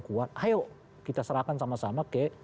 kuat ayo kita serahkan sama sama ke